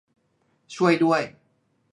ช่วยด้วย !